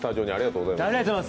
ありがとうございます。